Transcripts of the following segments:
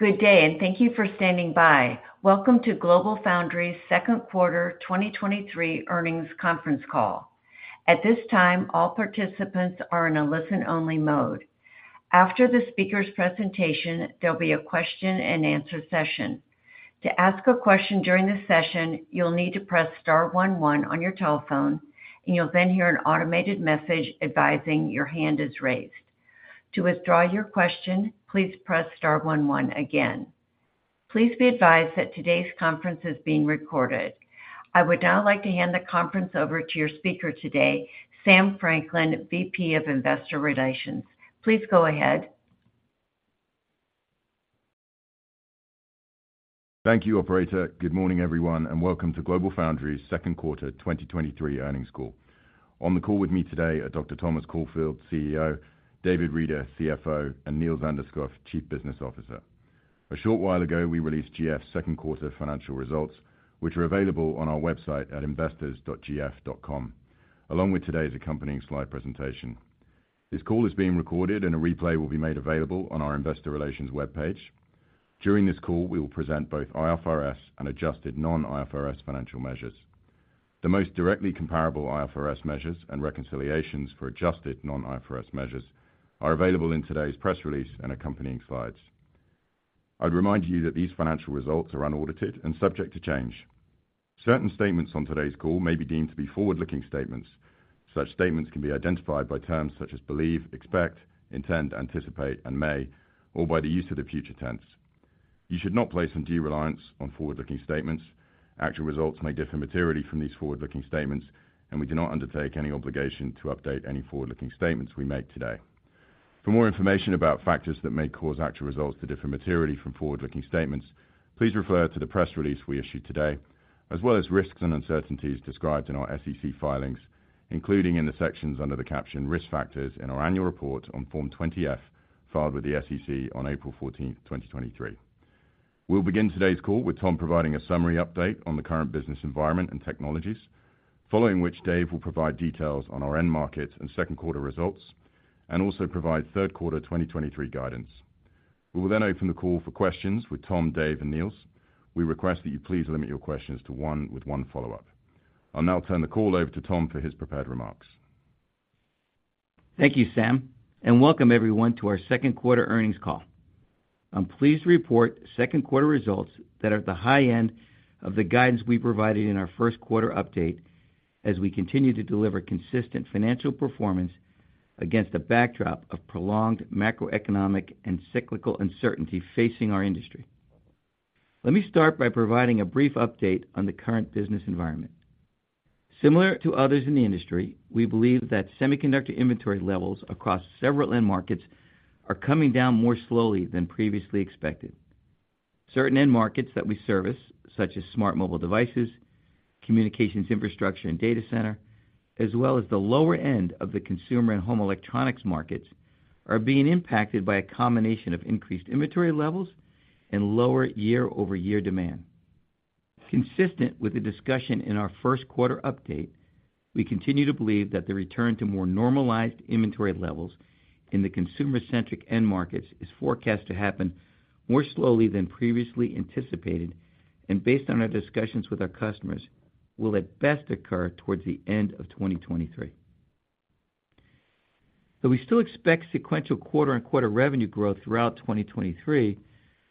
Good day, and thank you for standing by. Welcome to GlobalFoundries' Second Quarter 2023 Earnings Conference Call. At this time, all participants are in a listen-only mode. After the speaker's presentation, there'll be a question-and-answer session. To ask a question during the session, you'll need to press star one one on your telephone, and you'll then hear an automated message advising your hand is raised. To withdraw your question, please press star one one again. Please be advised that today's conference is being recorded. I would now like to hand the conference over to your speaker today, Sam Franklin, VP of Investor Relations. Please go ahead. Thank you, operator. Good morning, everyone, welcome to GlobalFoundries' Second Quarter 2023 Earnings Call. On the call with me today are Dr. Thomas Caulfield, CEO, David Reeder, CFO, and Niels van der Schoot, Chief Business Officer. A short while ago, we released GF's second quarter financial results, which are available on our website at investors.gf.com, along with today's accompanying slide presentation. This call is being recorded, a replay will be made available on our investor relations webpage. During this call, we will present both IFRS and adjusted non-IFRS financial measures. The most directly comparable IFRS measures and reconciliations for adjusted non-IFRS measures are available in today's press release and accompanying slides. I'd remind you that these financial results are unaudited and subject to change. Certain statements on today's call may be deemed to be forward-looking statements. Such statements can be identified by terms such as believe, expect, intend, anticipate, and may, or by the use of the future tense. You should not place undue reliance on forward-looking statements. Actual results may differ materially from these forward-looking statements, and we do not undertake any obligation to update any forward-looking statements we make today. For more information about factors that may cause actual results to differ materially from forward-looking statements, please refer to the press release we issued today, as well as risks and uncertainties described in our SEC filings, including in the sections under the caption Risk Factors in our annual report on Form 20-F, filed with the SEC on April 14th, 2023. We'll begin today's call with Tom providing a summary update on the current business environment and technologies, following which Dave will provide details on our end markets and second quarter results, and also provide third quarter 2023 guidance. We will then open the call for questions with Tom, Dave, and Niels. We request that you please limit your questions to one, with one follow-up. I'll now turn the call over to Tom for his prepared remarks. Thank you, Sam, and welcome everyone to our second-quarter earnings call. I'm pleased to report second-quarter results that are at the high end of the guidance we provided in our first-quarter update, as we continue to deliver consistent financial performance against a backdrop of prolonged macroeconomic and cyclical uncertainty facing our industry. Let me start by providing a brief update on the current business environment. Similar to others in the industry, we believe that semiconductor inventory levels across several end markets are coming down more slowly than previously expected. Certain end markets that we service, such as smart mobile devices, communications infrastructure, and data center, as well as the lower end of the consumer and home electronics markets, are being impacted by a combination of increased inventory levels and lower year-over-year demand. Consistent with the discussion in our first quarter update, we continue to believe that the return to more normalized inventory levels in the consumer-centric end markets is forecast to happen more slowly than previously anticipated, and based on our discussions with our customers, will at best occur towards the end of 2023. Though we still expect sequential quarter-on-quarter revenue growth throughout 2023,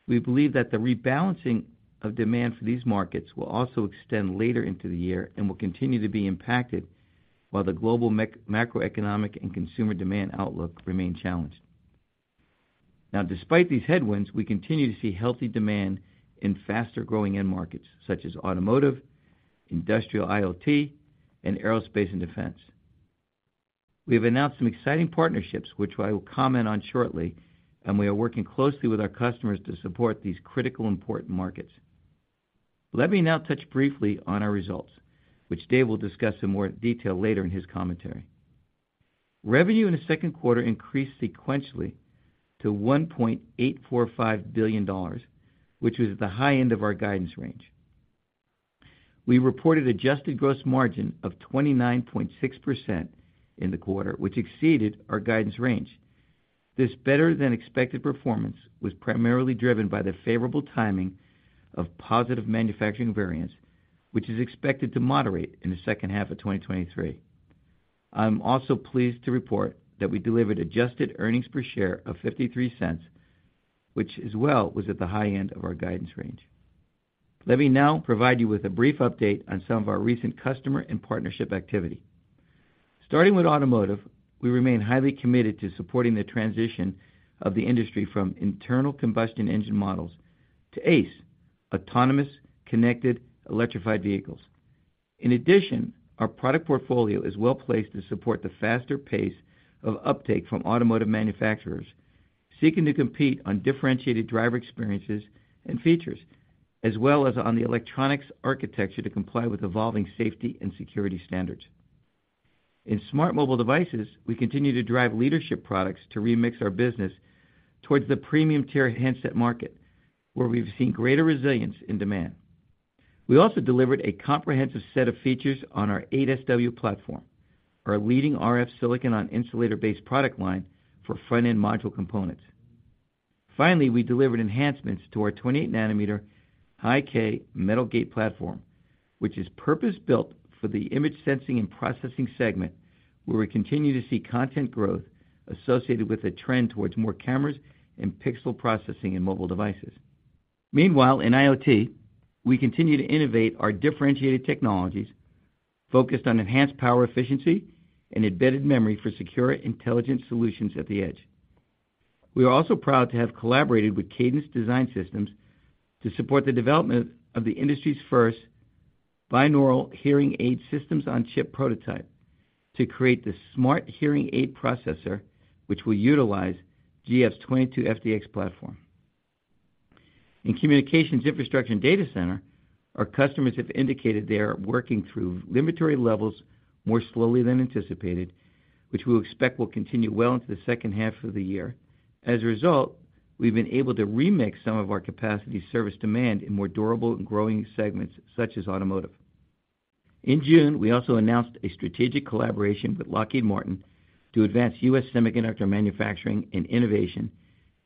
we believe that the rebalancing of demand for these markets will also extend later into the year and will continue to be impacted while the global macroeconomic and consumer demand outlook remain challenged. Now, despite these headwinds, we continue to see healthy demand in faster-growing end markets such as automotive, industrial IoT, and aerospace and defense. We have announced some exciting partnerships, which I will comment on shortly, and we are working closely with our customers to support these critical, important markets. Let me now touch briefly on our results, which Dave will discuss in more detail later in his commentary. Revenue in the second quarter increased sequentially to $1.845 billion, which was at the high end of our guidance range. We reported adjusted gross margin of 29.6% in the quarter, which exceeded our guidance range. This better-than-expected performance was primarily driven by the favorable timing of positive manufacturing variance, which is expected to moderate in the second half of 2023. I'm also pleased to report that we delivered adjusted earnings per share of $0.53, which as well was at the high end of our guidance range. Let me now provide you with a brief update on some of our recent customer and partnership activity. Starting with automotive, we remain highly committed to supporting the transition of the industry from internal combustion engine models to ACE: autonomous, connected, electrified vehicles. In addition, our product portfolio is well-placed to support the faster pace of uptake from automotive manufacturers seeking to compete on differentiated driver experiences and features, as well as on the electronics architecture to comply with evolving safety and security standards. In smart mobile devices, we continue to drive leadership products to remix our business towards the premium-tier handset market, where we've seen greater resilience in demand.... We also delivered a comprehensive set of features on our 8SW platform, our leading RF silicon on insulator-based product line for front-end module components. Finally, we delivered enhancements to our 28nm high-k metal gate platform, which is purpose-built for the image sensing and processing segment, where we continue to see content growth associated with a trend towards more cameras and pixel processing in mobile devices. Meanwhile, in IoT, we continue to innovate our differentiated technologies, focused on enhanced power efficiency and embedded memory for secure, intelligent solutions at the edge. We are also proud to have collaborated with Cadence Design Systems to support the development of the industry's first binaural hearing aid systems on chip prototype, to create the smart hearing aid processor, which will utilize GF's 22FDX platform. In communications, infrastructure, and data center, our customers have indicated they are working through inventory levels more slowly than anticipated, which we expect will continue well into the second half of the year. As a result, we've been able to remix some of our capacity service demand in more durable and growing segments, such as automotive. In June, we also announced a strategic collaboration with Lockheed Martin to advance U.S. semiconductor manufacturing and innovation,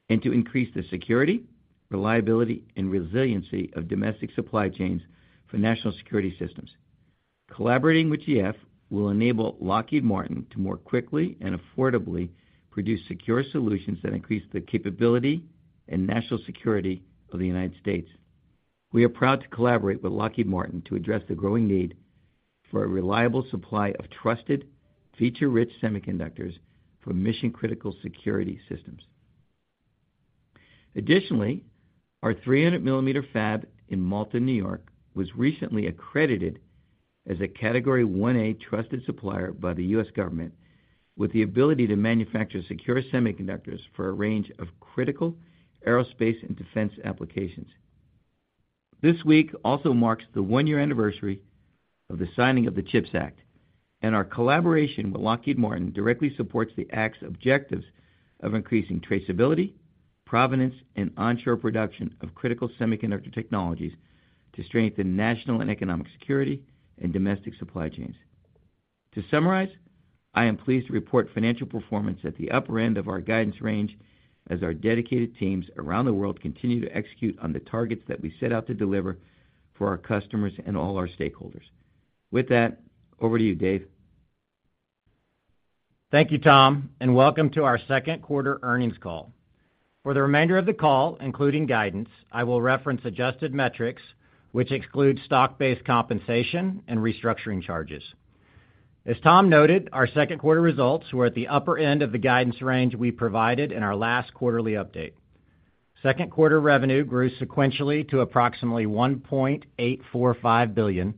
and to increase the security, reliability, and resiliency of domestic supply chains for national security systems. Collaborating with GF will enable Lockheed Martin to more quickly and affordably produce secure solutions that increase the capability and national security of the United States. We are proud to collaborate with Lockheed Martin to address the growing need for a reliable supply of trusted, feature-rich semiconductors for mission-critical security systems. Additionally, our 300 millimeter fab in Malta, New York, was recently accredited as a Category 1A trusted supplier by the U.S. government, with the ability to manufacture secure semiconductors for a range of critical aerospace and defense applications. This week also marks the one-year anniversary of the signing of the CHIPS Act, our collaboration with Lockheed Martin directly supports the Act's objectives of increasing traceability, provenance, and onshore production of critical semiconductor technologies to strengthen national and economic security and domestic supply chains. To summarize, I am pleased to report financial performance at the upper end of our guidance range, as our dedicated teams around the world continue to execute on the targets that we set out to deliver for our customers and all our stakeholders. With that, over to you, Dave. Thank you, Tom, and welcome to our second quarter earnings call. For the remainder of the call, including guidance, I will reference adjusted metrics, which exclude stock-based compensation and restructuring charges. As Tom noted, our second quarter results were at the upper end of the guidance range we provided in our last quarterly update. Second quarter revenue grew sequentially to approximately $1.845 billion,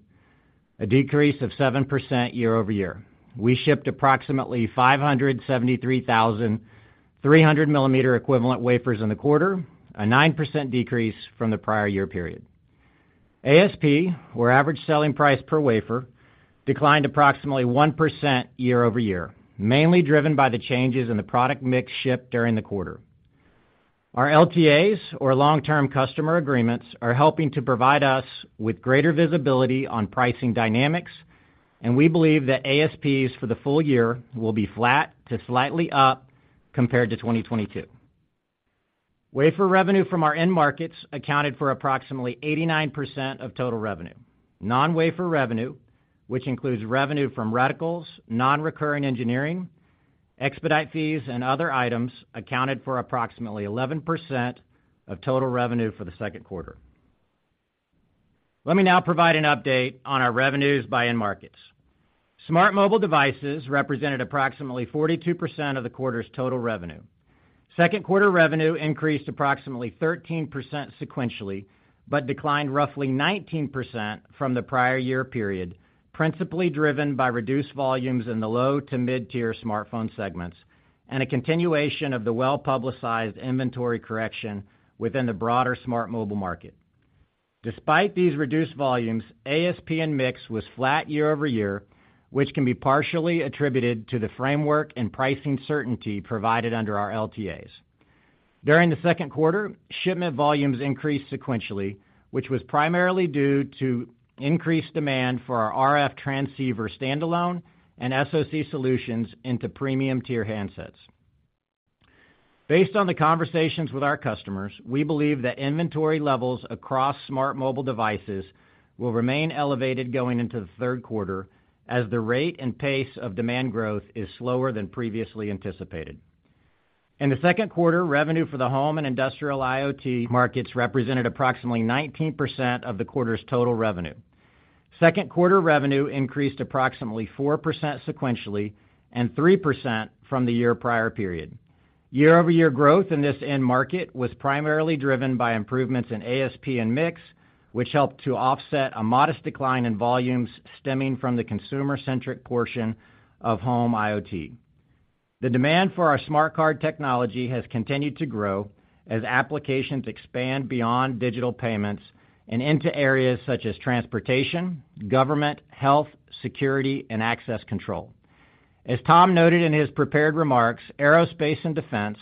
a decrease of 7% year-over-year. We shipped approximately 573,000 300 millimeter equivalent wafers in the quarter, a 9% decrease from the prior year period. ASP, or average selling price per wafer, declined approximately 1% year-over-year, mainly driven by the changes in the product mix shipped during the quarter. Our LTAs, or long-term customer agreements, are helping to provide us with greater visibility on pricing dynamics. We believe that ASPs for the full year will be flat to slightly up compared to 2022. Wafer revenue from our end markets accounted for approximately 89% of total revenue. Non-wafer revenue, which includes revenue from reticles, non-recurring engineering, expedite fees, and other items, accounted for approximately 11% of total revenue for the second quarter. Let me now provide an update on our revenues by end markets. Smart mobile devices represented approximately 42% of the quarter's total revenue. Second quarter revenue increased approximately 13% sequentially, but declined roughly 19% from the prior year period, principally driven by reduced volumes in the low to mid-tier smartphone segments, and a continuation of the well-publicized inventory correction within the broader smart mobile market. Despite these reduced volumes, ASP and mix was flat year-over-year, which can be partially attributed to the framework and pricing certainty provided under our LTAs. During the second quarter, shipment volumes increased sequentially, which was primarily due to increased demand for our RF transceiver standalone and SoC solutions into premium tier handsets. Based on the conversations with our customers, we believe that inventory levels across smart mobile devices will remain elevated going into the third quarter, as the rate and pace of demand growth is slower than previously anticipated. In the second quarter, revenue for the home and industrial IoT markets represented approximately 19% of the quarter's total revenue. Second quarter revenue increased approximately 4% sequentially and 3% from the year prior period. Year-over-year growth in this end market was primarily driven by improvements in ASP and mix, which helped to offset a modest decline in volumes stemming from the consumer-centric portion of home IoT. The demand for our smart card technology has continued to grow as applications expand beyond digital payments and into areas such as transportation, government, health, security, and access control. As Tom noted in his prepared remarks, aerospace and defense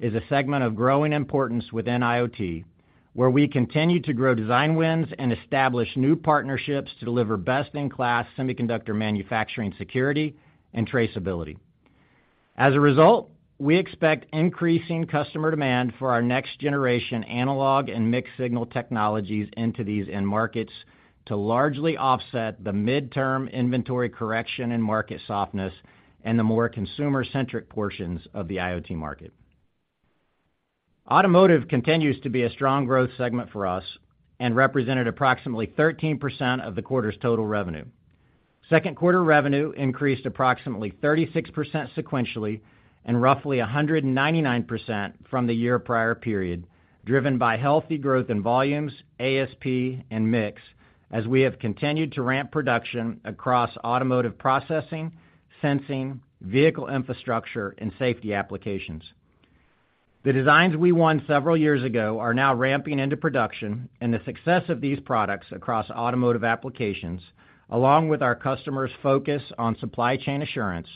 is a segment of growing importance within IoT, where we continue to grow design wins and establish new partnerships to deliver best-in-class semiconductor manufacturing security and traceability. As a result, we expect increasing customer demand for our next-generation analog and mixed signal technologies into these end markets, to largely offset the midterm inventory correction and market softness, and the more consumer-centric portions of the IoT market. Automotive continues to be a strong growth segment for us and represented approximately 13% of the quarter's total revenue. Second quarter revenue increased approximately 36% sequentially, and roughly 199% from the year prior period, driven by healthy growth in volumes, ASP, and mix, as we have continued to ramp production across automotive processing, sensing, vehicle infrastructure, and safety applications. The designs we won several years ago are now ramping into production, and the success of these products across automotive applications, along with our customers' focus on supply chain assurance,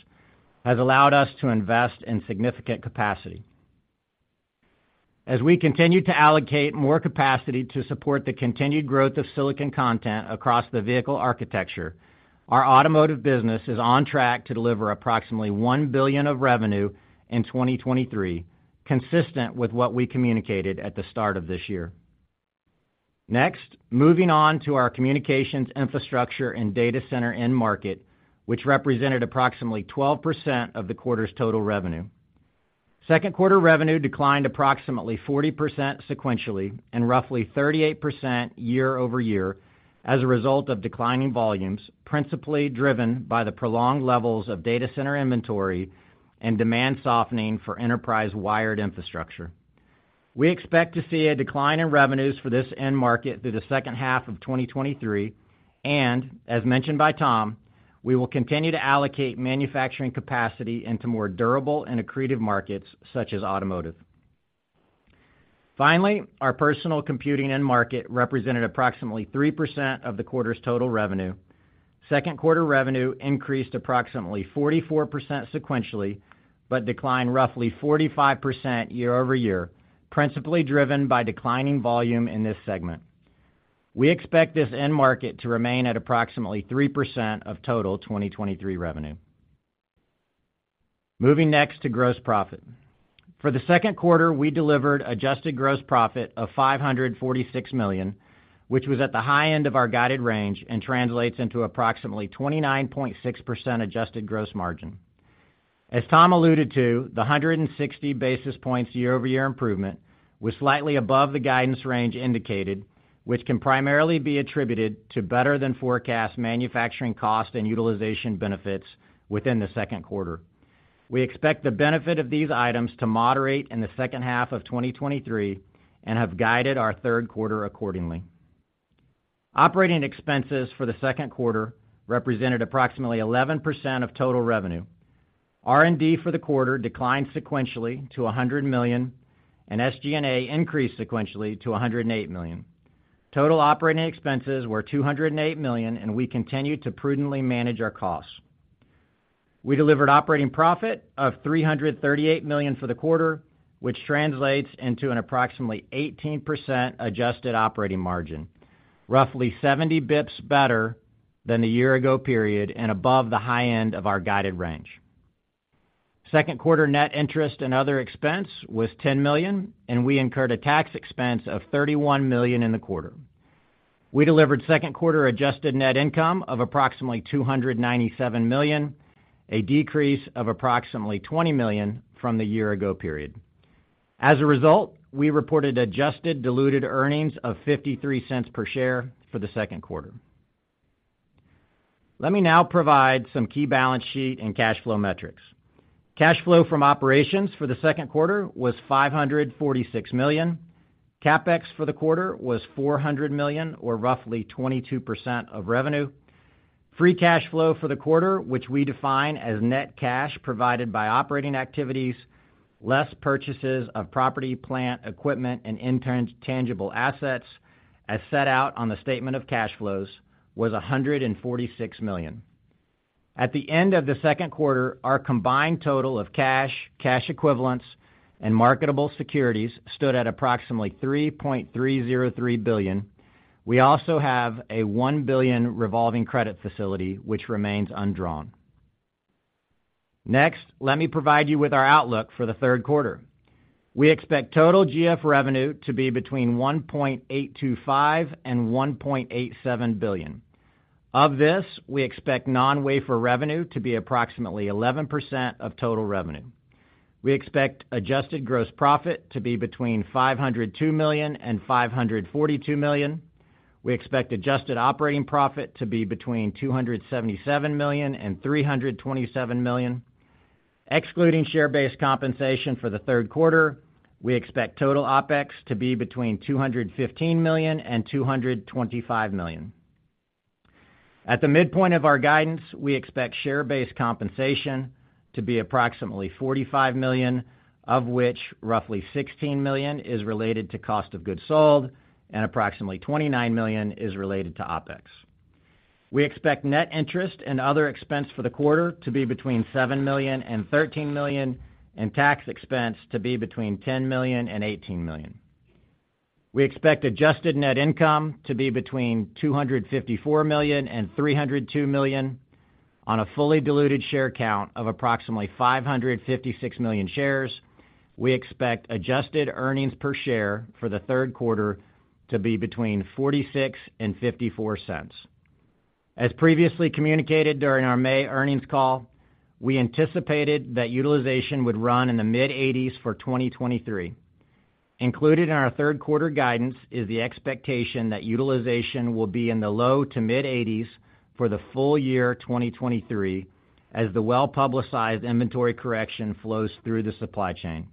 has allowed us to invest in significant capacity. As we continue to allocate more capacity to support the continued growth of silicon content across the vehicle architecture, our automotive business is on track to deliver approximately $1 billion of revenue in 2023, consistent with what we communicated at the start of this year. Next, moving on to our communications infrastructure and data center end market, which represented approximately 12% of the quarter's total revenue. Second quarter revenue declined approximately 40% sequentially, and roughly 38% year-over-year, as a result of declining volumes, principally driven by the prolonged levels of data center inventory and demand softening for enterprise wired infrastructure. We expect to see a decline in revenues for this end market through the second half of 2023, and as mentioned by Tom, we will continue to allocate manufacturing capacity into more durable and accretive markets, such as automotive. Finally, our personal computing end market represented approximately 3% of the quarter's total revenue. Second quarter revenue increased approximately 44% sequentially, but declined roughly 45% year-over-year, principally driven by declining volume in this segment. We expect this end market to remain at approximately 3% of total 2023 revenue. Moving next to gross profit. For the second quarter, we delivered adjusted gross profit of $546 million, which was at the high end of our guided range and translates into approximately 29.6% adjusted gross margin. As Tom alluded to, the 160 basis points year-over-year improvement was slightly above the guidance range indicated, which can primarily be attributed to better than forecast manufacturing cost and utilization benefits within the second quarter. We expect the benefit of these items to moderate in the second half of 2023, and have guided our third quarter accordingly. OpEx for the second quarter represented approximately 11% of total revenue. R&D for the quarter declined sequentially to $100 million, and SG&A increased sequentially to $108 million. Total operating expenses were $208 million. We continued to prudently manage our costs. We delivered operating profit of $338 million for the quarter, which translates into an approximately 18% adjusted operating margin, roughly 70 basis points better than the year-ago period, and above the high end of our guided range. Second quarter net interest and other expense was $10 million. We incurred a tax expense of $31 million in the quarter. We delivered second quarter adjusted net income of approximately $297 million, a decrease of approximately $20 million from the year-ago period. As a result, we reported adjusted diluted earnings of $0.53 per share for the second quarter. Let me now provide some key balance sheet and cash flow metrics. Cash flow from operations for the second quarter was $546 million. CapEx for the quarter was $400 million, or roughly 22% of revenue. Free cash flow for the quarter, which we define as net cash provided by operating activities, less purchases of property, plant, equipment, and intangible assets, as set out on the statement of cash flows, was $146 million. At the end of the second quarter, our combined total of cash, cash equivalents, and marketable securities stood at approximately $3.303 billion. We also have a $1 billion revolving credit facility, which remains undrawn. Next, let me provide you with our outlook for the third quarter. We expect total GF revenue to be between $1.825 billion and $1.87 billion. Of this, we expect non-wafer revenue to be approximately 11% of total revenue. We expect adjusted gross profit to be between $502 million and $542 million. We expect adjusted operating profit to be between $277 million and $327 million. Excluding share-based compensation for the third quarter, we expect total OpEx to be between $215 million and $225 million. At the midpoint of our guidance, we expect share-based compensation to be approximately $45 million, of which roughly $16 million is related to cost of goods sold and approximately $29 million is related to OpEx. We expect net interest and other expense for the quarter to be between $7 million and $13 million, and tax expense to be between $10 million and $18 million. We expect adjusted net income to be between $254 million and $302 million on a fully diluted share count of approximately 556 million shares. We expect adjusted earnings per share for the third quarter to be between $0.46 and $0.54. As previously communicated during our May earnings call, we anticipated that utilization would run in the mid-80s for 2023. Included in our third quarter guidance is the expectation that utilization will be in the low to mid-80s for the full year 2023, as the well-publicized inventory correction flows through the supply chain.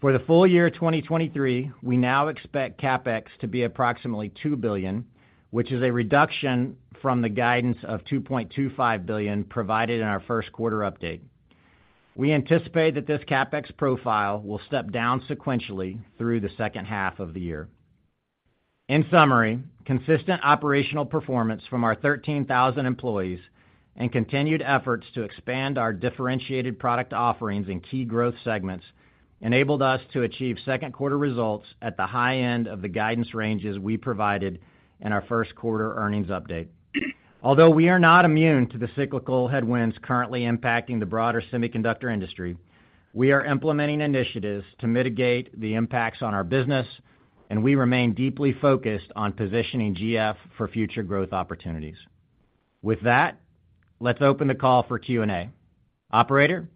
For the full year 2023, we now expect CapEx to be approximately $2 billion, which is a reduction from the guidance of $2.25 billion provided in our first quarter update. We anticipate that this CapEx profile will step down sequentially through the second half of the year. In summary, consistent operational performance from our 13,000 employees and continued efforts to expand our differentiated product offerings in key growth segments, enabled us to achieve second quarter results at the high end of the guidance ranges we provided in our first quarter earnings update. Although we are not immune to the cyclical headwinds currently impacting the broader semiconductor industry, we are implementing initiatives to mitigate the impacts on our business, and we remain deeply focused on positioning GF for future growth opportunities. With that, let's open the call for Q&A. Operator?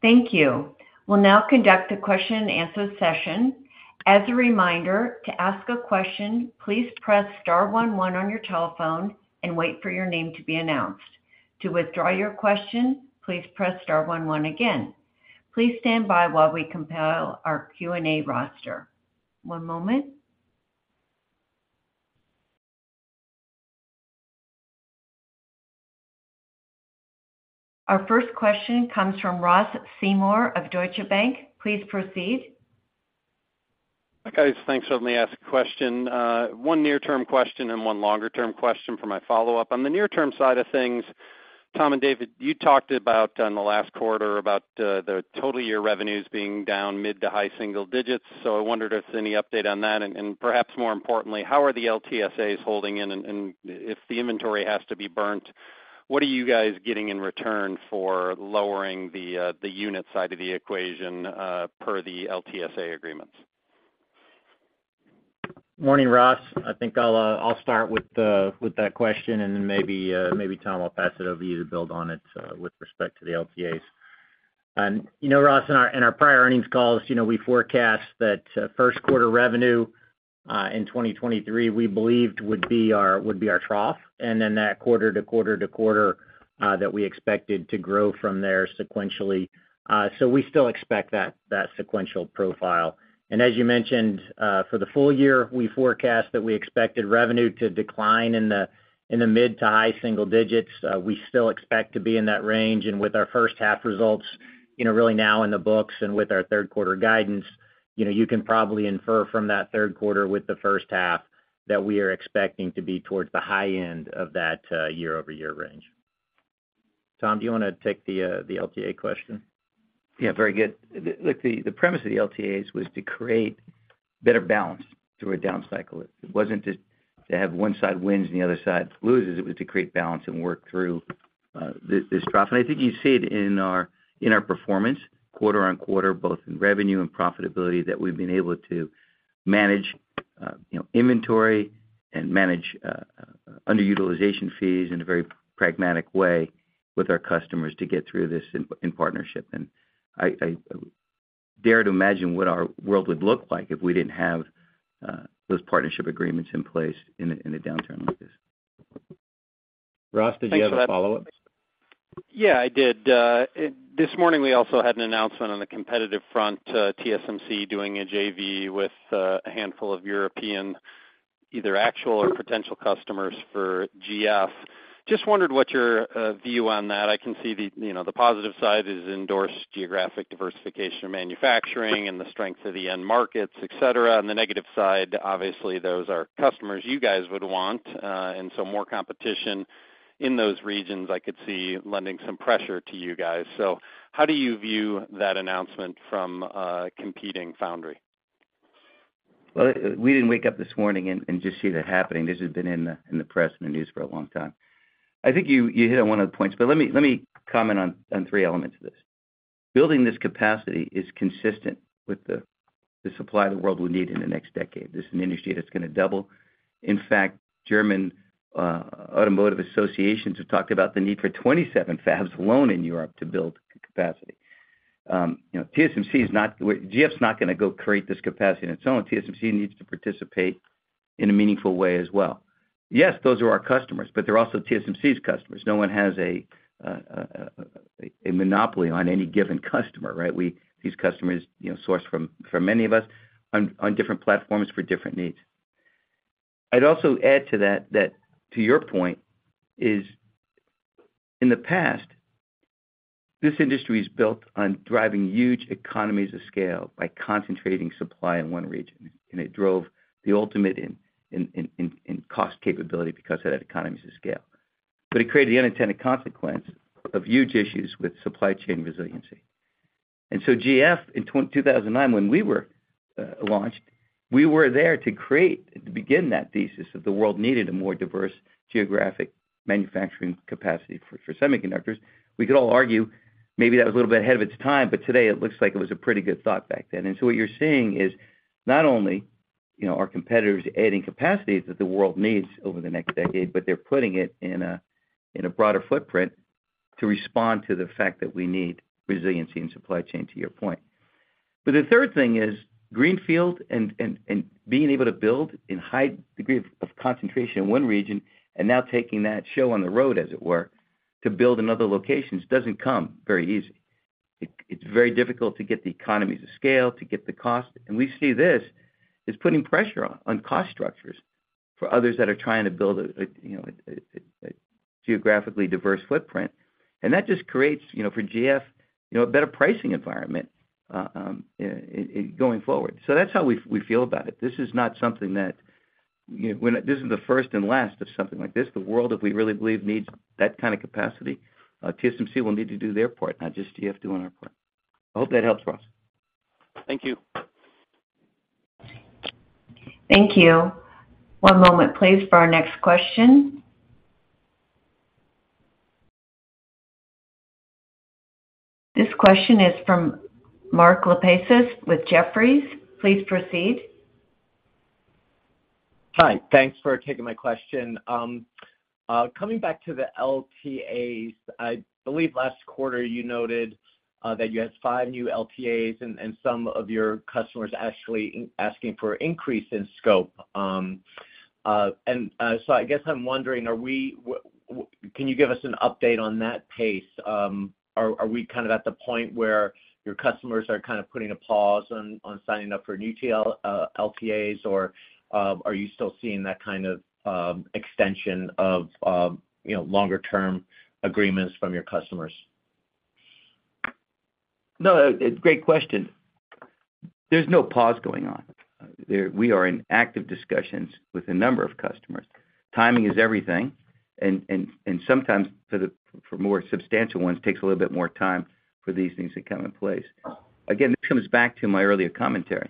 Thank you. We'll now conduct a question-and-answer session. As a reminder, to ask a question, please press star one one on your telephone and wait for your name to be announced. To withdraw your question, please press star one one again. Please stand by while we compile our Q&A roster. One moment. Our first question comes from Ross Seymore of Deutsche Bank. Please proceed. Hi, guys. Thanks. Let me ask a question. One near-term question and one longer-term question for my follow-up. On the near-term side of things, Tom and David, you talked about, on the last quarter, about, the total year revenues being down mid to high single digits. I wondered if there's any update on that, perhaps more importantly, how are the LTSAs holding in? If the inventory has to be burnt, what are you guys getting in return for lowering the, the unit side of the equation, per the LTSA agreements? Morning, Ross. I think I'll, I'll start with, with that question, then maybe, maybe Tom, I'll pass it over to you to build on it, with respect to the LTAs. You know, Ross, in our, in our prior earnings calls, you know, we forecast that, first quarter revenue, in 2023, we believed would be our, would be our trough, then that quarter to quarter to quarter, that we expected to grow from there sequentially. We still expect that, that sequential profile. As you mentioned, for the full year, we forecast that we expected revenue to decline in the, in the mid to high single digits. We still expect to be in that range. With our first half results, you know, really now in the books and with our third quarter guidance, you know, you can probably infer from that third quarter with the first half, that we are expecting to be towards the high end of that year-over-year range. Tom, do you want to take the LTA question? Yeah, very good. The, the, the premise of the LTAs was to create better balance through a down cycle. It wasn't just to have one side wins and the other side loses. It was to create balance and work through this, this trough. I think you see it in our, in our performance quarter-over-quarter, both in revenue and profitability, that we've been able to manage, you know, inventory and manage underutilization fees in a very pragmatic way with our customers to get through this in, in partnership. I, I dare to imagine what our world would look like if we didn't have those partnership agreements in place in a, in a downturn like this. Ross, did you have a follow-up? Yeah, I did. This morning, we also had an announcement on the competitive front, TSMC doing a JV with a handful of European, either actual or potential customers for GF. Just wondered what's your view on that? I can see the, you know, the positive side is endorsed geographic diversification or manufacturing and the strength of the end markets, et cetera. On the negative side, obviously, those are customers you guys would want, and so more competition in those regions, I could see lending some pressure to you guys. How do you view that announcement from a competing foundry? Well, we didn't wake up this morning and, and just see that happening. This has been in the, in the press and the news for a long time. I think you, you hit on one of the points, let me, let me comment on, on three elements of this. Building this capacity is consistent with the, the supply the world will need in the next decade. This is an industry that's going to double. In fact, German automotive associations have talked about the need for 27 fabs alone in Europe to build capacity. You know, GF's not gonna go create this capacity on its own. TSMC needs to participate in a meaningful way as well. Yes, those are our customers, but they're also TSMC's customers. No one has a, a, a monopoly on any given customer, right? These customers, you know, source from, from many of us on, on different platforms for different needs. I'd also add to that, that to your point, is in the past, this industry is built on driving huge economies of scale by concentrating supply in one region, it drove the ultimate in cost capability because of that economies of scale. It created the unintended consequence of huge issues with supply chain resiliency. So GF, in 2009, when we were launched, we were there to create, to begin that thesis, that the world needed a more diverse geographic manufacturing capacity for, for semiconductors. We could all argue, maybe that was a little bit ahead of its time, but today it looks like it was a pretty good thought back then. What you're seeing is not only, you know, our competitors adding capacities that the world needs over the next decade, but they're putting it in a, in a broader footprint to respond to the fact that we need resiliency and supply chain, to your point. The third thing is, greenfield and, and, and being able to build in high degree of, of concentration in one region and now taking that show on the road, as it were, to build in other locations, doesn't come very easy. It, it's very difficult to get the economies of scale, to get the cost. We see this is putting pressure on, on cost structures for others that are trying to build a, a, you know, a, a, a geographically diverse footprint. That just creates, you know, for GF, you know, a better pricing environment, going forward. That's how we, we feel about it. This is not something that, you know, this is the first and last of something like this. The world, that we really believe, needs that kind of capacity. TSMC will need to do their part, not just GF doing our part. I hope that helps, Ross. Thank you. Thank you. One moment, please, for our next question. This question is from Mark Lipacis with Jefferies. Please proceed. Hi, thanks for taking my question. Coming back to the LTAs, I believe last quarter you noted that you had five new LTAs and some of your customers actually asking for increase in scope. I guess I'm wondering, are we, can you give us an update on that pace? Are we kind of at the point where your customers are kind of putting a pause on signing up for new TL LTAs, or are you still seeing that kind of extension of, you know, longer-term agreements from your customers? No, it's a great question. There's no pause going on. We are in active discussions with a number of customers. Timing is everything, and, and, and sometimes for more substantial ones, it takes a little bit more time for these things to come in place. Again, this comes back to my earlier commentary.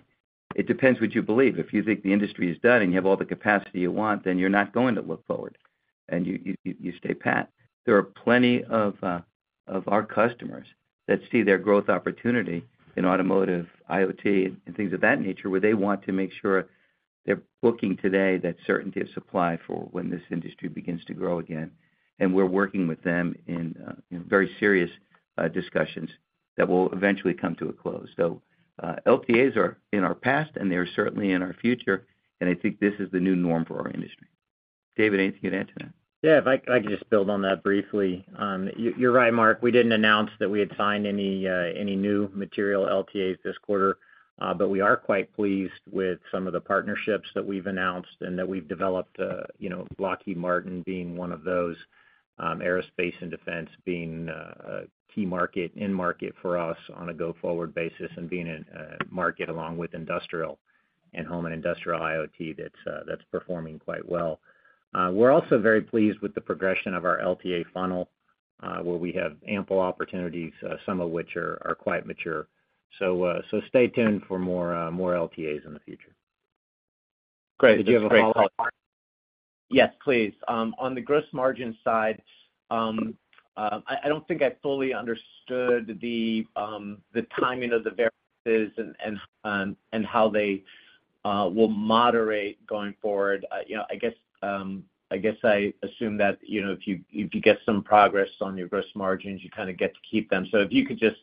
It depends what you believe. If you think the industry is done and you have all the capacity you want, then you're not going to look forward, and you, you, you, you stay pat. There are plenty of our customers that see their growth opportunity in automotive, IoT, and things of that nature, where they want to make sure they're booking today, that certainty of supply for when this industry begins to grow again. We're working with them in very serious discussions that will eventually come to a close. LTAs are in our past, and they're certainly in our future, and I think this is the new norm for our industry. David, anything you'd add to that? Yeah, if I, I can just build on that briefly. You're right, Mark, we didn't announce that we had signed any new material LTAs this quarter, but we are quite pleased with some of the partnerships that we've announced and that we've developed, you know, Lockheed Martin being one of those, aerospace and defense being a key market, end market for us on a go-forward basis and being a market along with industrial and home and industrial IoT, that's performing quite well. We're also very pleased with the progression of our LTA funnel, where we have ample opportunities, some of which are quite mature. Stay tuned for more LTAs in the future. Great. Did you have a follow-up, Mark? Yes, please. On the gross margin side, I, I don't think I fully understood the timing of the variances and, and how they will moderate going forward. You know, I guess, I guess I assume that, you know, if you, if you get some progress on your gross margins, you kind of get to keep them. So if you could just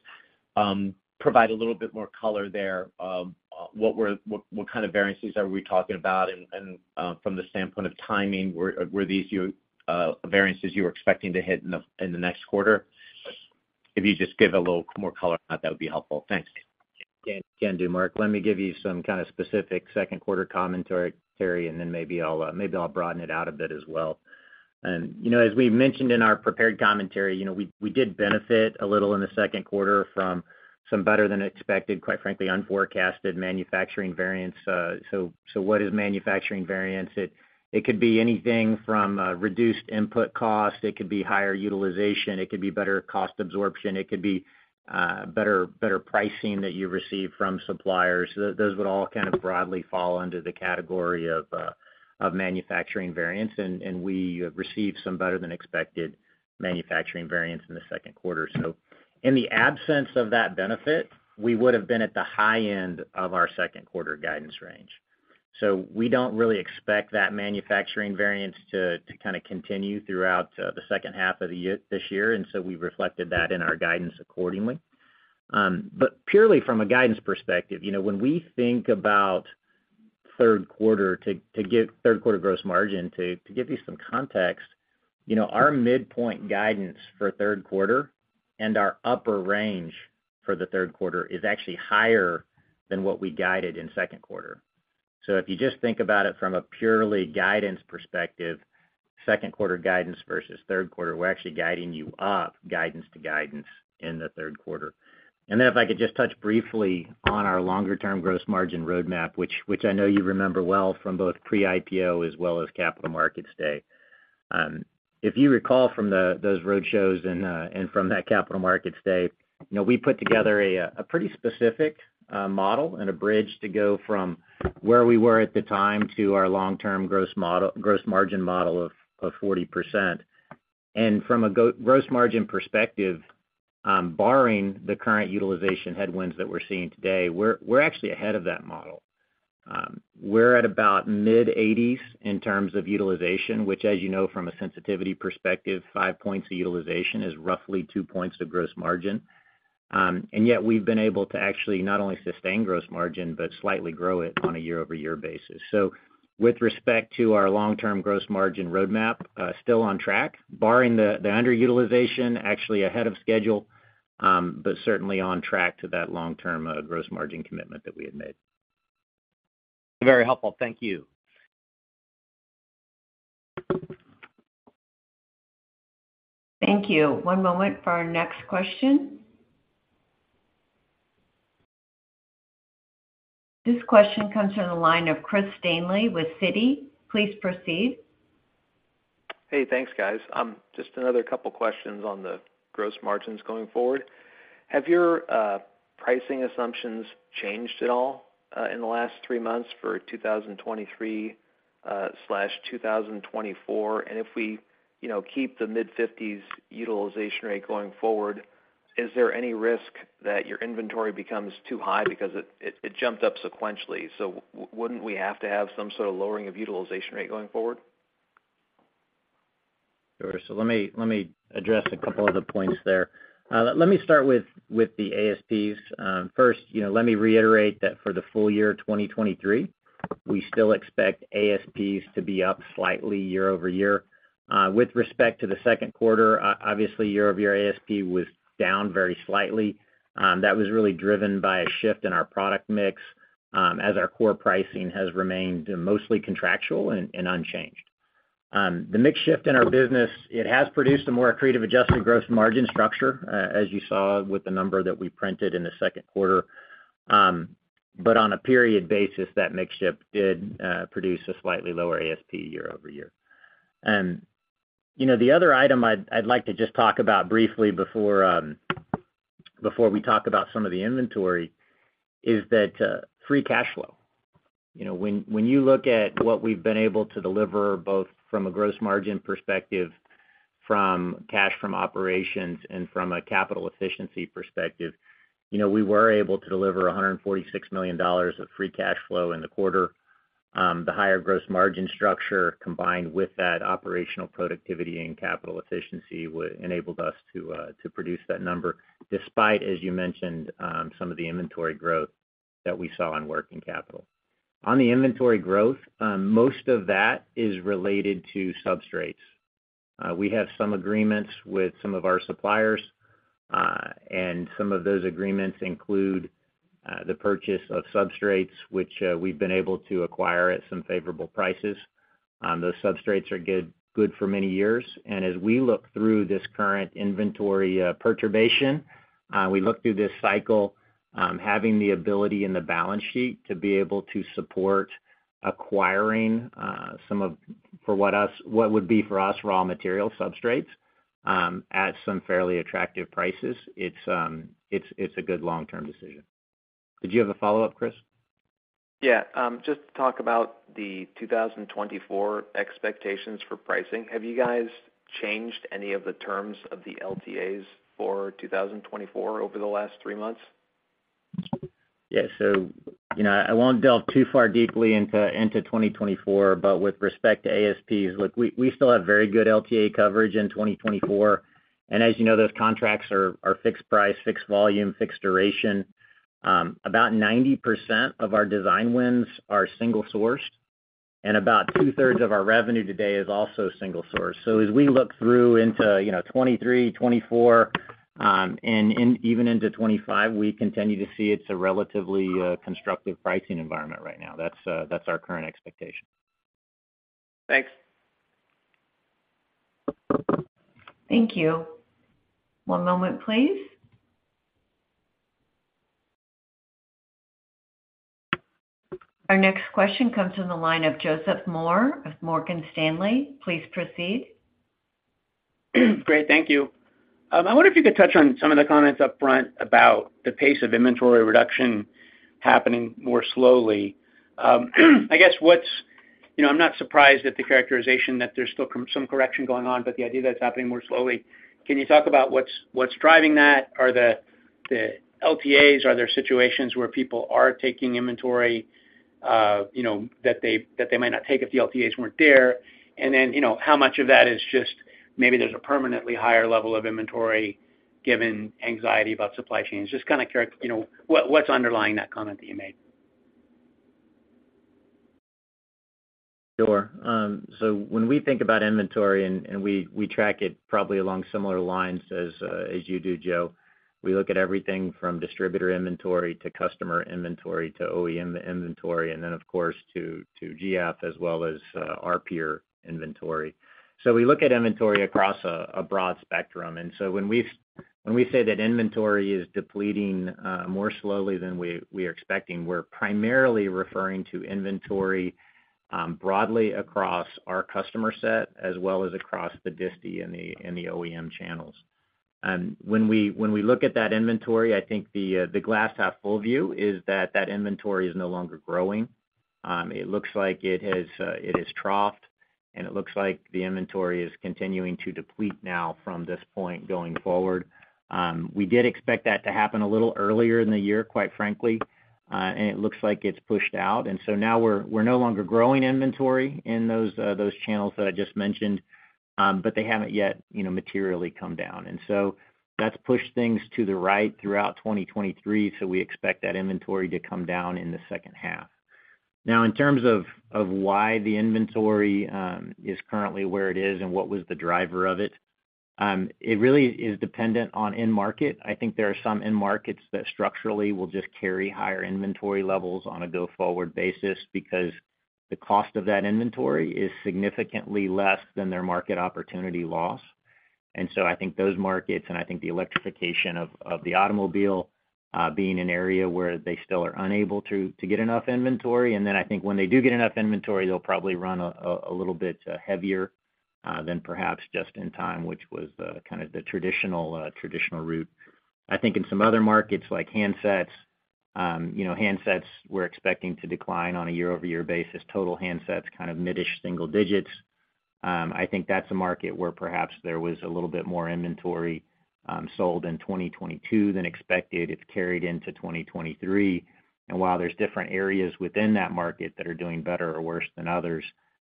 provide a little bit more color there, what, what kind of variances are we talking about? And, from the standpoint of timing, were, were these your variances you were expecting to hit in the, in the next quarter? If you just give a little more color on that, that would be helpful. Thanks. Can, can do, Mark. Let me give you some kind of specific second quarter commentary, and then maybe I'll maybe I'll broaden it out a bit as well. You know, as we mentioned in our prepared commentary, you know, we, we did benefit a little in the second quarter from some better than expected, quite frankly, unforecasted manufacturing variance. What is manufacturing variance? It, it could be anything from reduced input cost, it could be higher utilization, it could be better cost absorption, it could be better, better pricing that you receive from suppliers. Those would all kind of broadly fall under the category of manufacturing variance, we have received some better than expected manufacturing variance in the second quarter. In the absence of that benefit, we would've been at the high end of our second quarter guidance range. We don't really expect that manufacturing variance to kind of continue throughout the second half of the year this year. We've reflected that in our guidance accordingly. Purely from a guidance perspective, you know, when we think about third quarter, to give third quarter gross margin, to give you some context. You know, our midpoint guidance for third quarter and our upper range for the third quarter is actually higher than what we guided in second quarter. If you just think about it from a purely guidance perspective, second quarter guidance versus third quarter, we're actually guiding you up guidance to guidance in the third quarter. Then if I could just touch briefly on our longer-term gross margin roadmap, which, which I know you remember well from both pre-IPO as well as Capital Markets Day. If you recall from those roadshows and from that Capital Markets Day, you know, we put together a pretty specific model and a bridge to go from where we were at the time to our long-term gross model, gross margin model of 40%. From a gross margin perspective, barring the current utilization headwinds that we're seeing today, we're, we're actually ahead of that model. We're at about mid-eighties in terms of utilization, which, as you know, from a sensitivity perspective, five points of utilization is roughly two points of gross margin. Yet we've been able to actually not only sustain gross margin, but slightly grow it on a year-over-year basis. With respect to our long-term gross margin roadmap, still on track, barring the, the underutilization, actually ahead of schedule, but certainly on track to that long-term gross margin commitment that we had made. Very helpful. Thank you. Thank you. One moment for our next question. This question comes from the line of Chris Danely with Citi. Please proceed. Hey, thanks, guys. just another two questions on the gross margins going forward. Have your pricing assumptions changed at all in the last three months for 2023/2024? If we, you know, keep the mid-50s utilization rate going forward, is there any risk that your inventory becomes too high because it jumped up sequentially, so wouldn't we have to have some sort of lowering of utilization rate going forward? Sure. let me, let me address a couple of the points there. let me start with, with the ASPs. first, you know, let me reiterate that for the full year 2023, we still expect ASPs to be up slightly year-over-year. with respect to the second quarter, obviously, year-over-year ASP was down very slightly. that was really driven by a shift in our product mix, as our core pricing has remained mostly contractual and unchanged. the mix shift in our business, it has produced a more accretive adjusted gross margin structure, as you saw with the number that we printed in the second quarter. but on a period basis, that mix shift did, produce a slightly lower ASP year-over-year. You know, the other item I'd, I'd like to just talk about briefly before we talk about some of the inventory, is that free cash flow. You know, when, when you look at what we've been able to deliver, both from a gross margin perspective, from cash from operations and from a capital efficiency perspective, you know, we were able to deliver $146 million of free cash flow in the quarter. The higher gross margin structure, combined with that operational productivity and capital efficiency, enabled us to produce that number, despite, as you mentioned, some of the inventory growth that we saw on working capital. On the inventory growth, most of that is related to substrates. We have some agreements with some of our suppliers, and some of those agreements include the purchase of substrates, which we've been able to acquire at some favorable prices. Those substrates are good, good for many years, and as we look through this current inventory perturbation, we look through this cycle, having the ability in the balance sheet to be able to support acquiring some of... For what would be for us, raw material substrates, at some fairly attractive prices. It's, it's a good long-term decision. Did you have a follow-up, Chris? Yeah. Just to talk about the 2024 expectations for pricing, have you guys changed any of the terms of the LTAs for 2024 over the last three months? Yeah. You know, I won't delve too far deeply into, into 2024, but with respect to ASPs, look, we, we still have very good LTA coverage in 2024. As you know, those contracts are, are fixed price, fixed volume, fixed duration. About 90% of our design wins are single-sourced, and about two-thirds of our revenue today is also single source. As we look through into, you know, 2023, 2024, and even into 2025, we continue to see it's a relatively constructive pricing environment right now. That's our current expectation. Thanks. Thank you. One moment, please. Our next question comes from the line of Joseph Moore of Morgan Stanley. Please proceed. Great, thank you. I wonder if you could touch on some of the comments up front about the pace of inventory reduction happening more slowly. I guess what's... You know, I'm not surprised at the characterization that there's still some correction going on, but the idea that it's happening more slowly, can you talk about what's, what's driving that? Are the, the LTAs, are there situations where people are taking inventory, you know, that they, that they might not take if the LTAs weren't there? And then, you know, how much of that is just maybe there's a permanently higher level of inventory given anxiety about supply chains? Just kind of you know, what, what's underlying that comment that you made? Sure. When we think about inventory, and, and we, we track it probably along similar lines as you do, Joe. We look at everything from distributor inventory to customer inventory to OEM inventory, and then of course, to, to GF as well as our peer inventory. We look at inventory across a, a broad spectrum. When we say that inventory is depleting, more slowly than we, we are expecting, we're primarily referring to inventory, broadly across our customer set, as well as across the disti and the, and the OEM channels. When we, when we look at that inventory, I think the, the glass half full view is that that inventory is no longer growing. It looks like it has, it has troughed, and it looks like the inventory is continuing to deplete now from this point going forward. We did expect that to happen a little earlier in the year, quite frankly, and it looks like it's pushed out. Now we're, we're no longer growing inventory in those, those channels that I just mentioned, but they haven't yet, you know, materially come down. That's pushed things to the right throughout 2023, so we expect that inventory to come down in the second half. Now, in terms of, of why the inventory, is currently where it is and what was the driver of it, it really is dependent on end market. I think there are some end markets that structurally will just carry higher inventory levels on a go-forward basis because the cost of that inventory is significantly less than their market opportunity loss. I think those markets, and I think the electrification of the automobile, being an area where they still are unable to get enough inventory, and then I think when they do get enough inventory, they'll probably run a little bit heavier than perhaps just in time, which was the kind of the traditional route. I think in some other markets like handsets, you know, handsets, we're expecting to decline on a year-over-year basis, total handsets, kind of mid-ish single digits. I think that's a market where perhaps there was a little bit more inventory sold in 2022 than expected. It's carried into 2023. While there's different areas within that market that are doing better or worse than others,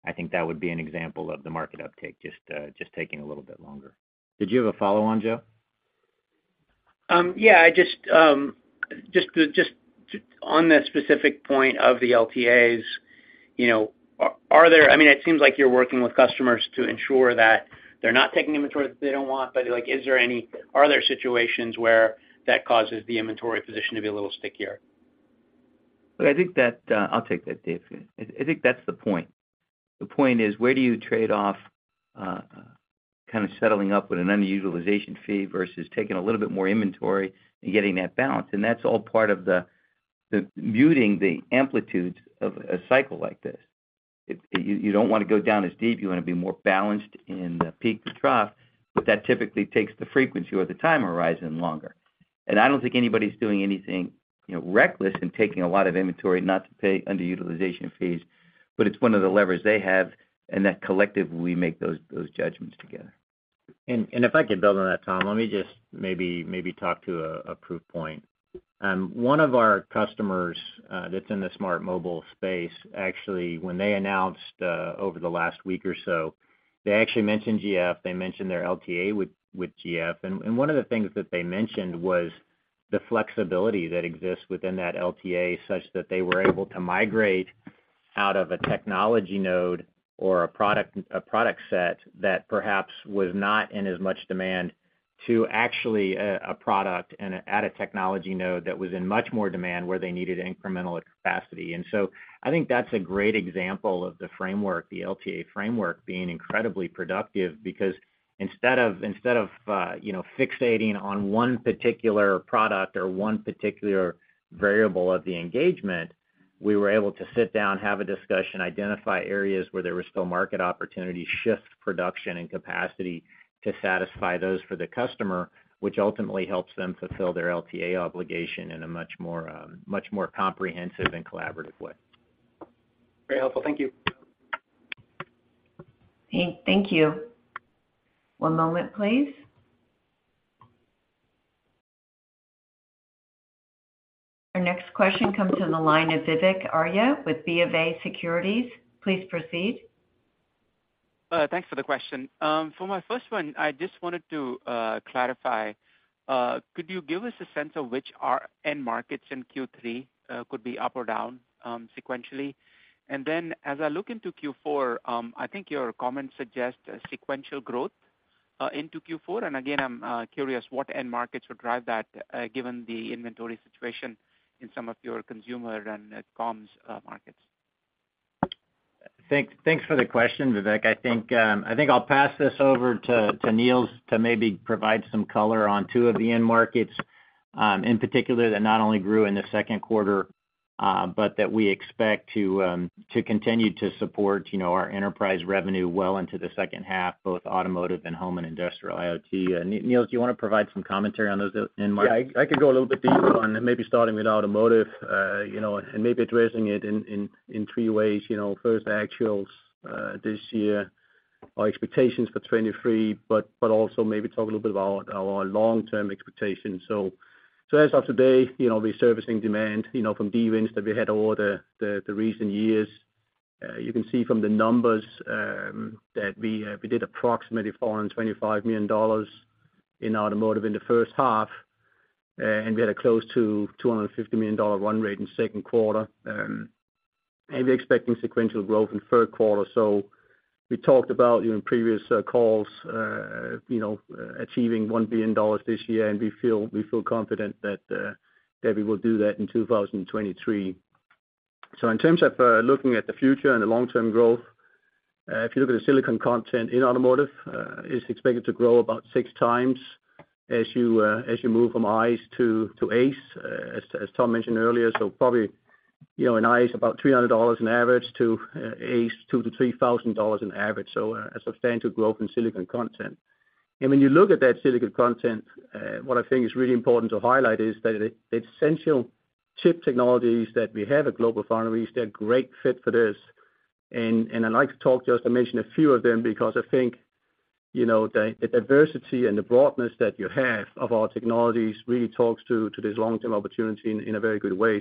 I think that would be an example of the market uptake, just, just taking a little bit longer. Did you have a follow-on, Joe? Yeah, I just, on the specific point of the LTAs, you know, are there? I mean, it seems like you're working with customers to ensure that they're not taking inventory that they don't want, but, like, are there situations where that causes the inventory position to be a little stickier? Look, I think that, I'll take that, Dave. I, I think that's the point. The point is, where do you trade off, kind of settling up with an underutilization fee versus taking a little bit more inventory and getting that balance? That's all part of the, the muting the amplitudes of a cycle like this. It, you, you don't wanna go down as deep, you wanna be more balanced in the peak to trough, but that typically takes the frequency or the time horizon longer. I don't think anybody's doing anything, you know, reckless in taking a lot of inventory not to pay underutilization fees, but it's one of the levers they have, and that collectively, we make those, those judgments together. If I could build on that, Tom, let me just maybe, maybe talk to a, a proof point. One of our customers, that's in the smart mobile space, actually, when they announced, over the last week or so, they actually mentioned GF, they mentioned their LTA with, with GF. One of the things that they mentioned was the flexibility that exists within that LTA, such that they were able to migrate out of a technology node or a product, a product set that perhaps was not in as much demand to actually a, a product and at a technology node that was in much more demand, where they needed incremental capacity. I think that's a great example of the framework, the LTA framework, being incredibly productive because instead of, instead of, you know, fixating on one particular product or one particular variable of the engagement, we were able to sit down, have a discussion, identify areas where there was still market opportunity, shift production and capacity to satisfy those for the customer, which ultimately helps them fulfill their LTA obligation in a much more, much more comprehensive and collaborative way. Very helpful. Thank you. Okay, thank you. One moment, please. Our next question comes from the line of Vivek Arya with BofA Securities. Please proceed. Thanks for the question. For my first one, I just wanted to clarify, could you give us a sense of which our end markets in Q3 could be up or down sequentially? As I look into Q4, I think your comments suggest a sequential growth into Q4. Again, I'm curious what end markets would drive that, given the inventory situation in some of your consumer and comms markets? Thank, thanks for the question, Vivek. I think I'll pass this over to, to Niels to maybe provide some color on two of the end markets in particular, that not only grew in the second quarter, but that we expect to continue to support, you know, our enterprise revenue well into the second half, both automotive and home and industrial IoT. Niels, do you wanna provide some commentary on those end markets? Yeah, I, I could go a little bit deeper on that, maybe starting with automotive, you know, maybe addressing it in, in, in three ways. You know, first, the actuals, this year, our expectations for 2023, but also maybe talk a little bit about our long-term expectations. So as of today, you know, we're servicing demand, you know, from de-wi that we had over the, the, the recent years. You can see from the numbers that we did approximately $425 million in automotive in the first half.... and we had a close to $250 million run rate in second quarter. We're expecting sequential growth in third quarter. We talked about, you know, in previous calls, you know, achieving $1 billion this year, and we feel, we feel confident that we will do that in 2023. In terms of looking at the future and the long-term growth, if you look at the silicon content in automotive, it's expected to grow about 6x as you as you move from ICE to ACE, as Tom mentioned earlier. Probably, you know, in ICE, about $300 on average to ACE, $2,000-$3,000 on average. A substantial growth in silicon content. When you look at that silicon content, what I think is really important to highlight is that the, the essential chip technologies that we have at GlobalFoundries, they're a great fit for this. I'd like to talk just to mention a few of them because I think, you know, the, the diversity and the broadness that you have of our technologies really talks to, to this long-term opportunity in, in a very good way.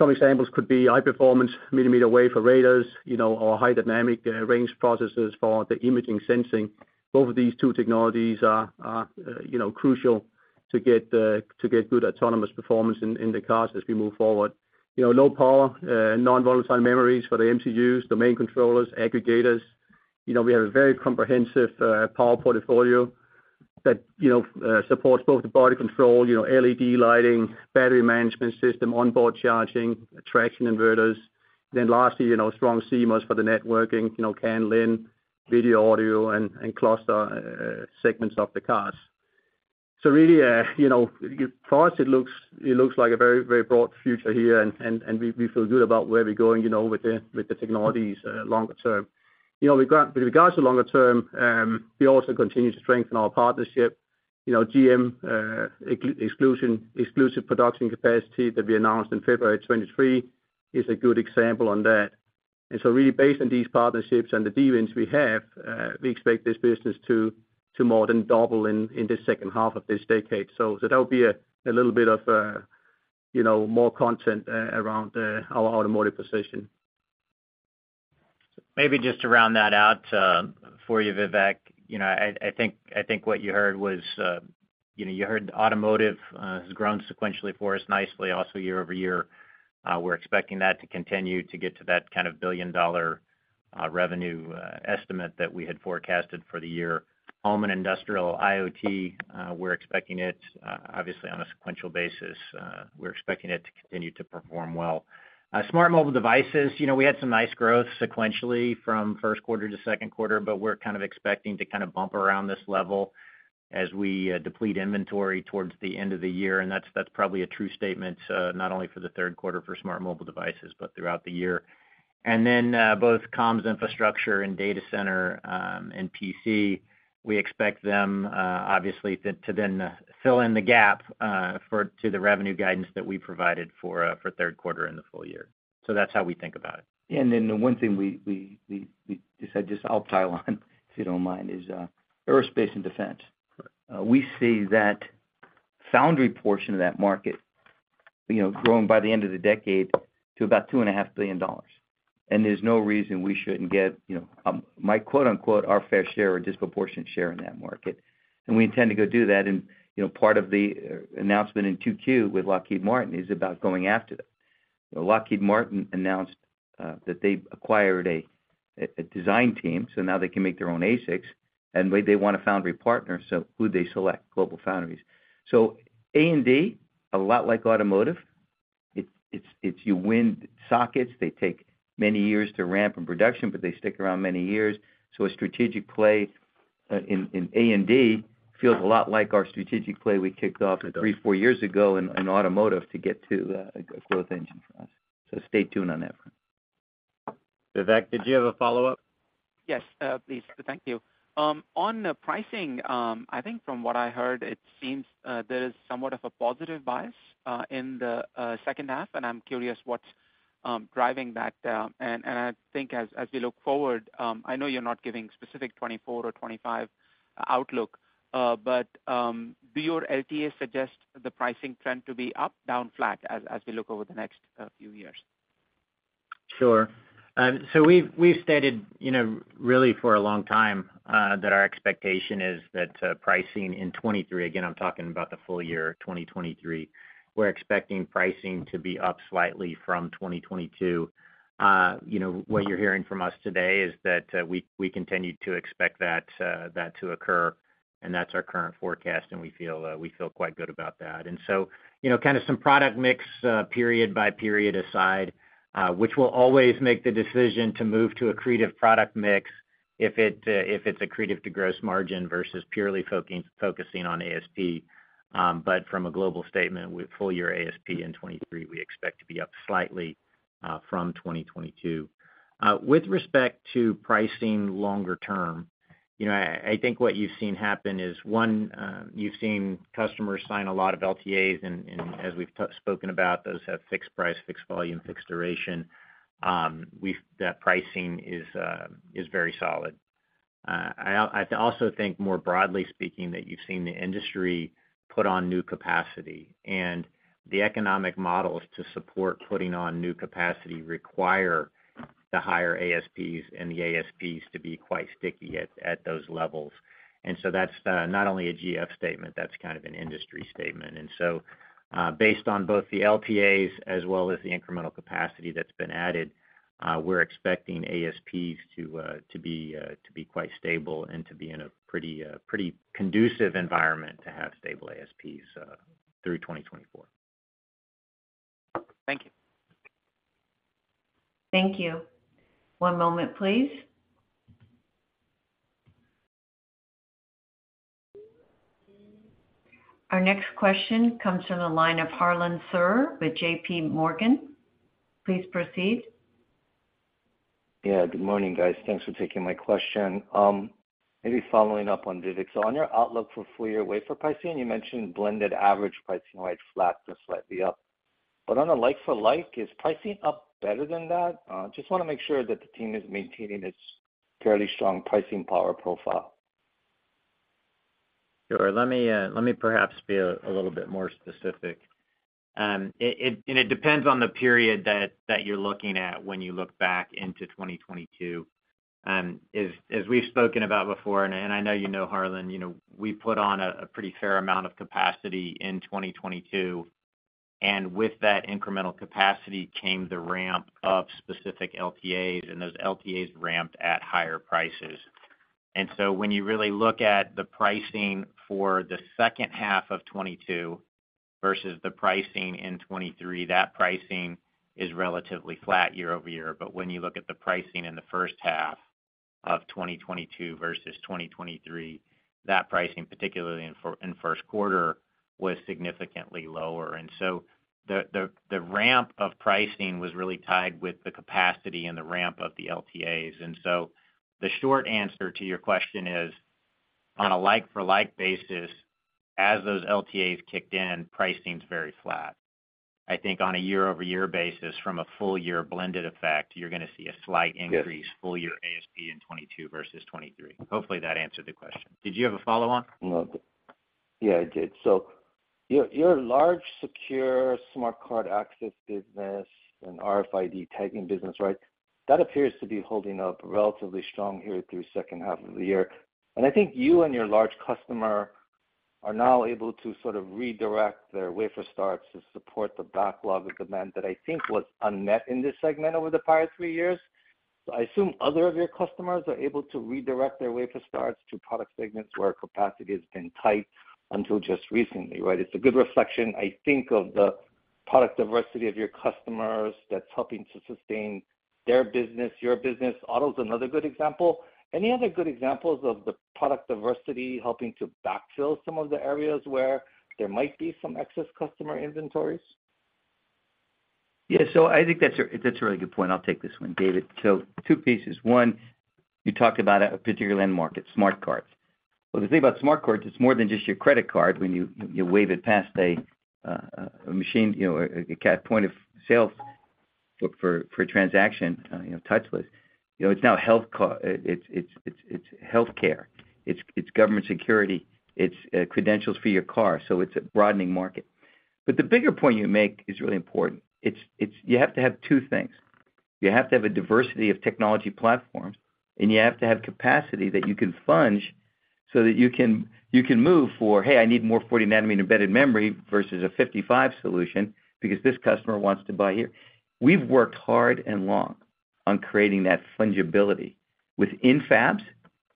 Some examples could be high-performance millimeter wave for radars, you know, or high dynamic range processors for the imaging sensing. Both of these two technologies are, are, you know, crucial to get good autonomous performance in, in the cars as we move forward. You know, low power, and non-volatile memories for the MCUs, domain controllers, aggregators. You know, we have a very comprehensive power portfolio that, you know, supports both the body control, you know, LED lighting, battery management system, onboard charging, traction inverters. Lastly, you know, strong CMOS for the networking, you know, CAN, LIN, video, audio, and, and cluster segments of the cars. Really, you know, for us, it looks, it looks like a very, very broad future here, and, and, and we, we feel good about where we're going, you know, with the, with the technologies longer term. You know, with regard, with regards to longer term, we also continue to strengthen our partnership. You know, GM, exclu- exclusion, exclusive production capacity that we announced in February of 2023 is a good example on that. Really based on these partnerships and the dealings we have, we expect this business to more than double in the second half of this decade. That will be a little bit of, you know, more content around our automotive position. Maybe just to round that out for you, Vivek. You know, I, I think, I think what you heard was, you know, you heard automotive has grown sequentially for us nicely, also year-over-year. We're expecting that to continue to get to that kind of $1 billion revenue estimate that we had forecasted for the year. Home and Industrial IoT, we're expecting it, obviously, on a sequential basis, we're expecting it to continue to perform well. Smart mobile devices, you know, we had some nice growth sequentially from first quarter to second quarter, but we're kind of expecting to kind of bump around this level as we deplete inventory towards the end of the year. That's, that's probably a true statement, not only for the third quarter for smart mobile devices, but throughout the year. Then, both comms infrastructure and data center, and PC, we expect them, obviously, to, to then fill in the gap, for, to the revenue guidance that we provided for, for third quarter and the full year. That's how we think about it. The one thing we just had, just I'll tie on, if you don't mind, is aerospace and defense. We see that foundry portion of that market, you know, growing by the end of the decade to about $2.5 billion. There's no reason we shouldn't get, you know, my quote, unquote, our fair share or disproportionate share in that market, and we intend to go do that. You know, part of the announcement in 2Q with Lockheed Martin is about going after that. Lockheed Martin announced that they've acquired a design team, so now they can make their own ASICs, and they want a foundry partner. Who did they select? GlobalFoundries. A&D, a lot like automotive, it's you win sockets. They take many years to ramp in production. They stick around many years. A strategic play in A&D feels a lot like our strategic play we kicked off three, four years ago in automotive to get to a growth engine for us. Stay tuned on that front. Vivek, did you have a follow-up? Yes, please. Thank you. On the pricing, I think from what I heard, it seems there is somewhat of a positive bias in the second half, and I'm curious what's driving that. I think as, as we look forward, I know you're not giving specific 2024 or 2025 outlook, but, do your LTAs suggest the pricing trend to be up, down, flat, as, as we look over the next few years? Sure. So we've, we've stated, you know, really for a long time, that our expectation is that pricing in 2023, again, I'm talking about the full year, 2023, we're expecting pricing to be up slightly from 2022. You know, what you're hearing from us today is that we, we continue to expect that that to occur, and that's our current forecast, and we feel we feel quite good about that. So, you know, kind of some product mix, period by period aside, which we'll always make the decision to move to accretive product mix if it, if it's accretive to gross margin versus purely focusing on ASP. But from a global statement, with full year ASP in 2023, we expect to be up slightly from 2022. With respect to pricing longer term, you know, I, I think what you've seen happen is one, you've seen customers sign a lot of LTAs, and, and as we've spoken about, those have fixed price, fixed volume, fixed duration. That pricing is very solid. I, I also think, more broadly speaking, that you've seen the industry put on new capacity, the economic models to support putting on new capacity require the higher ASPs and the ASPs to be quite sticky at, at those levels. So that's, not only a GF statement, that's kind of an industry statement. Based on both the LTAs as well as the incremental capacity that's been added, we're expecting ASPs to be quite stable and to be in a pretty conducive environment to have stable ASPs through 2024. Thank you. Thank you. One moment, please. Our next question comes from the line of Harlan Sur with J.P. Morgan. Please proceed. Yeah, good morning, guys. Thanks for taking my question. Maybe following up on David. On your outlook for full year wafer pricing, you mentioned blended average pricing, right? Flat to slightly up. On a like for like, is pricing up better than that? Just want to make sure that the team is maintaining its fairly strong pricing power profile. Sure. Let me let me perhaps be a little bit more specific. It, and it depends on the period that, that you're looking at when you look back into 2022. As, as we've spoken about before, and, and I know you know, Harlan, you know, we put on a, a pretty fair amount of capacity in 2022, and with that incremental capacity came the ramp of specific LTAs, and those LTAs ramped at higher prices. When you really look at the pricing for the second half of 2022 versus the pricing in 2023, that pricing is relatively flat year-over-year. When you look at the pricing in the first half of 2022 versus 2023, that pricing, particularly in first quarter, was significantly lower. The, the, the ramp of pricing was really tied with the capacity and the ramp of the LTAs. The short answer to your question is, on a like-for-like basis, as those LTAs kicked in, pricing's very flat. I think on a year-over-year basis, from a full year blended effect, you're going to see a slight increase... Yes. - full year ASP in 2022 versus 2023. Hopefully, that answered the question. Did you have a follow on? No. Yeah, I did. Your, your large, secure smart card access business and RFID tagging business, right? That appears to be holding up relatively strong here through second half of the year. I think you and your large customer are now able to sort of redirect their wafer starts to support the backlog of demand that I think was unmet in this segment over the prior three years. I assume other of your customers are able to redirect their wafer starts to product segments where capacity has been tight until just recently, right? It's a good reflection, I think, of the product diversity of your customers that's helping to sustain their business, your business. Auto's another good example. Any other good examples of the product diversity helping to backfill some of the areas where there might be some excess customer inventories? I think that's a really good point. I'll take this one, David. Two pieces. One, you talked about a particular end market, smart cards. The thing about smart cards, it's more than just your credit card when you, you wave it past a machine, you know, a point of sales for a transaction, you know, touchless. You know, it's now healthcare, it's government security, it's credentials for your car, so it's a broadening market. The bigger point you make is really important. It's you have to have two things. You have to have a diversity of technology platforms, and you have to have capacity that you can fudge so that you can, you can move for, "Hey, I need more 40-nanometer embedded memory versus a 55nm solution, because this customer wants to buy here." We've worked hard and long on creating that fungibility within fabs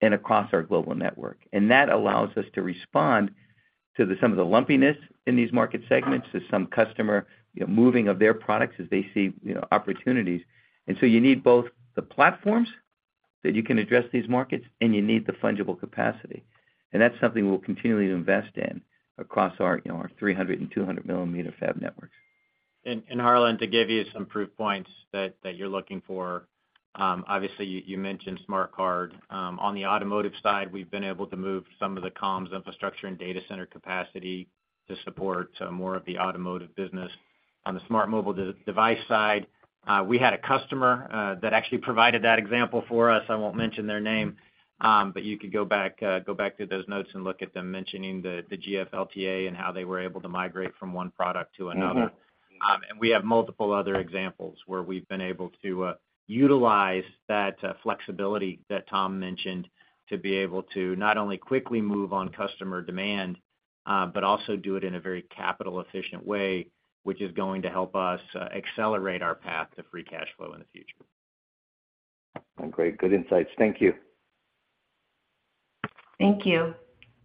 and across our global network. That allows us to respond to the some of the lumpiness in these market segments, to some customer, you know, moving of their products as they see, you know, opportunities. You need both the platforms, that you can address these markets, and you need the fungible capacity. That's something we'll continue to invest in across our, you know, our 300 and 200 millimeter fab networks. Harlan, to give you some proof points that, that you're looking for, obviously, you, you mentioned smart card. On the automotive side, we've been able to move some of the comms, infrastructure, and data center capacity to support more of the automotive business. On the smart mobile device side, we had a customer that actually provided that example for us. I won't mention their name, but you could go back, go back to those notes and look at them mentioning the, the GF LTA and how they were able to migrate from one product to another. Mm-hmm. We have multiple other examples where we've been able to utilize that flexibility that Tom mentioned, to be able to not only quickly move on customer demand, but also do it in a very capital efficient way, which is going to help us accelerate our path to free cash flow in the future. Great, good insights. Thank you. Thank you.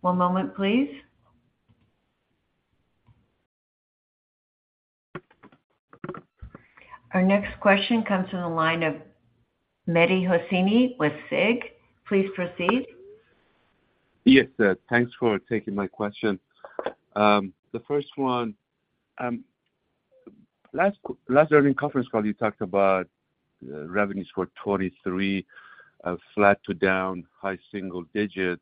One moment, please. Our next question comes from the line of Mehdi Hosseini with SIG. Please proceed. Yes, thanks for taking my question. The first one, last earnings conference call, you talked about revenues for 2023, flat to down high single digit.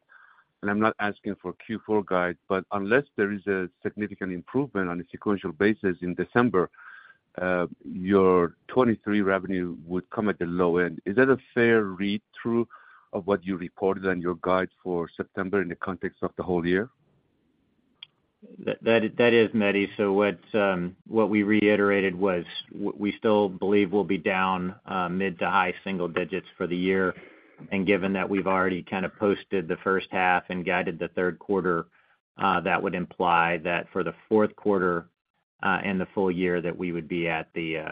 I'm not asking for Q4 guide, but unless there is a significant improvement on a sequential basis in December, your 2023 revenue would come at the low end. Is that a fair read through of what you reported on your guide for September in the context of the whole year? That, that, that is, Mehdi. What we reiterated was we still believe we'll be down, mid to high single digits for the year. Given that we've already kind of posted the first half and guided the third quarter, that would imply that for the fourth quarter, and the full year, that we would be at the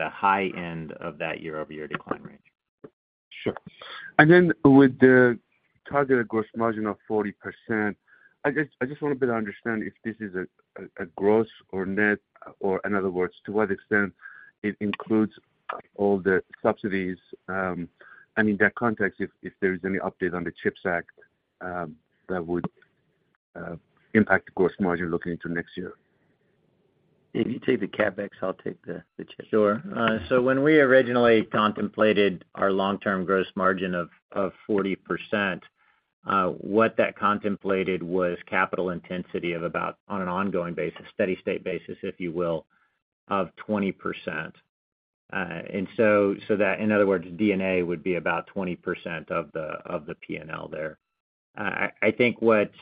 high end of that year-over-year decline range. Sure. Then with the target gross margin of 40%, I just, I just want to better understand if this is a, a, a gross or net, or in other words, to what extent it includes all the subsidies, in that context, if, if there is any update on the CHIPS Act, that would impact the gross margin looking into next year? If you take the CapEx, I'll take the, the chip. Sure. So when we originally contemplated our long-term gross margin of, of 40%, what that contemplated was capital intensity of about, on an ongoing basis, steady state basis, if you will, of 20%. So that, in other words, D&A would be about 20% of the, of the P&L there. I, I think what,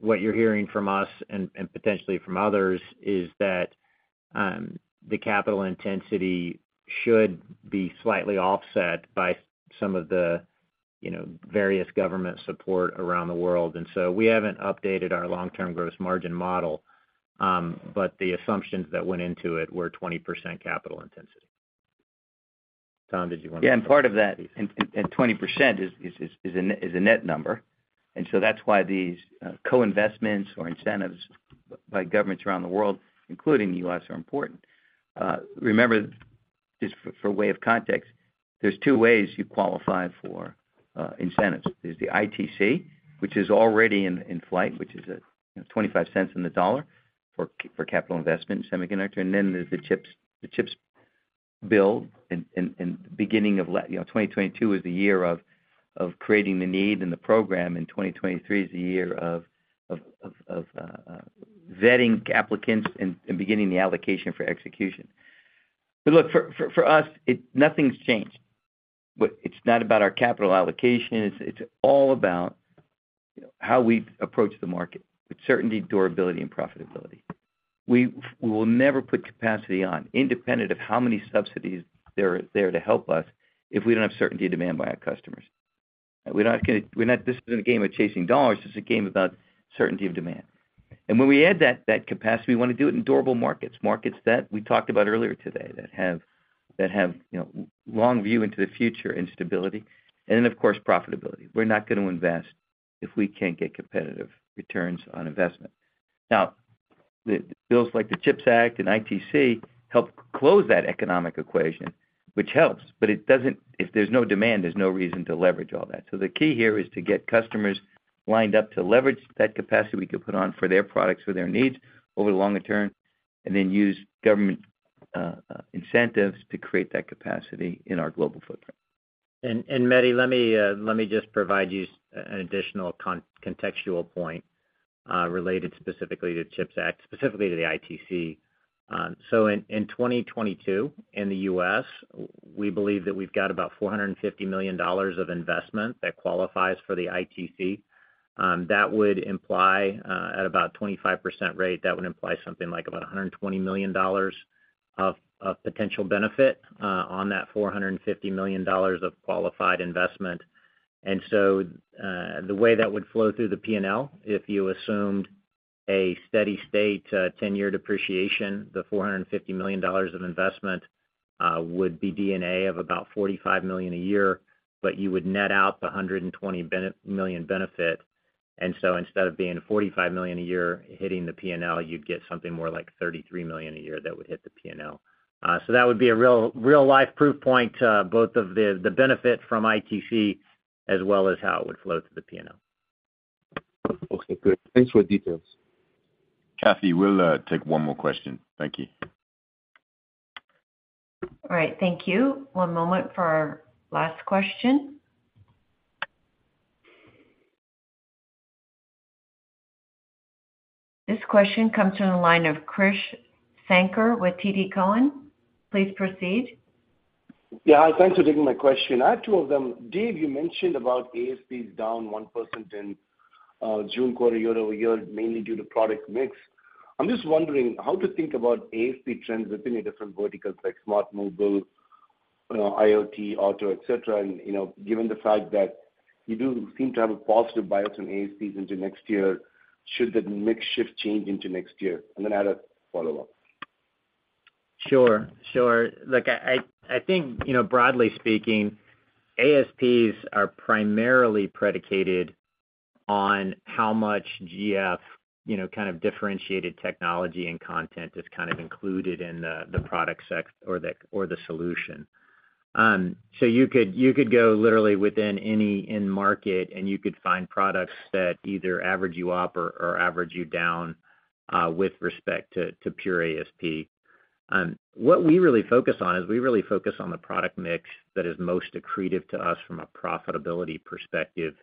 what you're hearing from us and, and potentially from others, is that, the capital intensity should be slightly offset by some of the, you know, various government support around the world. We haven't updated our long-term gross margin model, but the assumptions that went into it were 20% capital intensity. Tom, did you want to- Yeah, and part of that, and, and, and 20% is a net, is a net number. That's why these co-investments or incentives by governments around the world, including the U.S., are important. Remember, just for way of context, there's two ways you qualify for incentives. There's the ITC, which is already in flight, which is $0.25 on the dollar for capital investment in semiconductor. There's the CHIPS, the CHIPS bill, and, and, and beginning of you know, 2022 is the year of creating the need and the program, and 2023 is the year of vetting applicants and beginning the allocation for execution. Look, for us, nothing's changed. It's not about our capital allocation, it's, it's all about, you know, how we approach the market with certainty, durability, and profitability. We will never put capacity on, independent of how many subsidies there are there to help us, if we don't have certainty in demand by our customers. We're not this isn't a game of chasing dollars, this is a game about certainty of demand. When we add that, that capacity, we want to do it in durable markets, markets that we talked about earlier today, that have, that have, you know, long view into the future and stability, and then, of course, profitability. We're not going to invest if we can't get competitive returns on investment. The bills like the CHIPS Act and ITC help close that economic equation, which helps, but it doesn't if there's no demand, there's no reason to leverage all that. The key here is to get customers lined up to leverage that capacity we could put on for their products or their needs over the longer term, and then use government incentives to create that capacity in our global footprint. Mehdi, let me just provide you an additional contextual point related specifically to the CHIPS Act, specifically to the ITC. In 2022, in the U.S., we believe that we've got about $450 million of investment that qualifies for the ITC. That would imply at about 25% rate, that would imply something like about $120 million of potential benefit on that $450 million of qualified investment. The way that would flow through the P&L, if you assumed a steady state, 10-year depreciation, the $450 million of investment would be D&A of about $45 million a year, but you would net out the $120 million benefit. Instead of being $45 million a year hitting the P&L, you'd get something more like $33 million a year that would hit the P&L. That would be a real, real life proof point to both of the, the benefit from ITC as well as how it would flow to the P&L. Okay, good. Thanks for the details. Kathy, we'll take one more question. Thank you. All right, thank you. One moment for our last question. This question comes from the line of Krish Sankar with TD Cowen. Please proceed. Yeah, hi. Thanks for taking my question. I have two of them. Dave, you mentioned about ASPs down 1% in June quarter, year-over-year, mainly due to product mix. I'm just wondering how to think about ASP trends within the different verticals like smart mobile, IoT, auto, et cetera, you know, given the fact that you do seem to have a positive bias on ASPs into next year, should the mix shift change into next year? Then I had a follow-up. Sure, sure. Look, I, I, I think, you know, broadly speaking, ASPs are primarily predicated on how much GF, you know, kind of differentiated technology and content is kind of included in the, the product sec or the, or the solution. So you could, you could go literally within any end market, and you could find products that either average you up or, or average you down with respect to, to pure ASP. What we really focus on is we really focus on the product mix that is most accretive to us from a profitability perspective.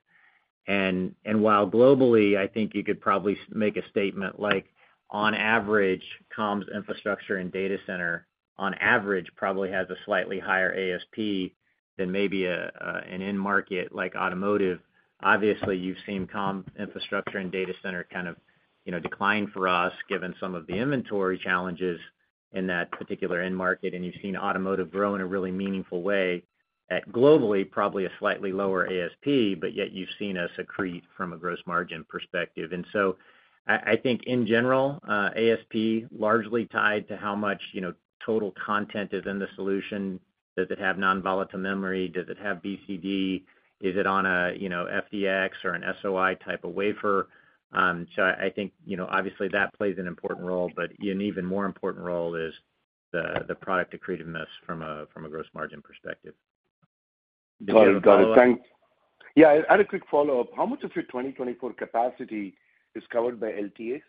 While globally, I think you could probably make a statement like, on average, comms infrastructure and data center, on average, probably has a slightly higher ASP than maybe a, a, an end market like automotive. Obviously, you've seen comm infrastructure and data center kind of, you know, decline for us, given some of the inventory challenges in that particular end market. You've seen automotive grow in a really meaningful way at, globally, probably a slightly lower ASP, but yet you've seen us accrete from a gross margin perspective. I, I think in general, ASP largely tied to how much, you know, total content is in the solution. Does it have non-volatile memory? Does it have BCD? Is it on a, you know, FDX or an SOI type of wafer? I, I think, you know, obviously, that plays an important role, but an even more important role is the, the product accretiveness from a, from a gross margin perspective. Got it. Got it. Thanks. Yeah, I had a quick follow-up. How much of your 2024 capacity is covered by LTAs?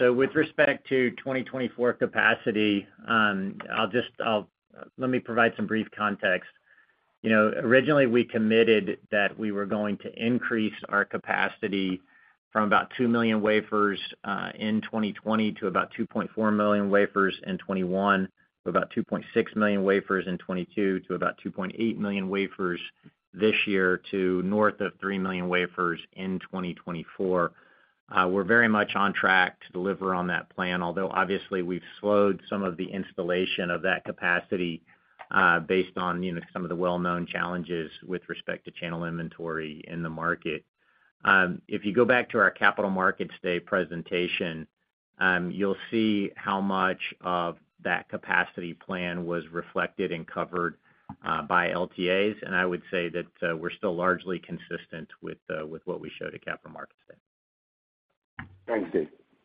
With respect to 2024 capacity, I'll let me provide some brief context. You know, originally, we committed that we were going to increase our capacity from about 2 million wafers in 2020 to about 2.4 million wafers in 2021, to about 2.6 million wafers in 2022, to about 2.8 million wafers this year, to north of 3 million wafers in 2024. We're very much on track to deliver on that plan. Although obviously, we've slowed some of the installation of that capacity, based on, you know, some of the well-known challenges with respect to channel inventory in the market. If you go back to our Capital Markets Day presentation, you'll see how much of that capacity plan was reflected and covered by LTAs. I would say that, we're still largely consistent with what we showed at Capital Markets Day. Thank you.